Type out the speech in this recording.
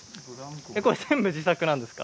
これ全部自作なんですか？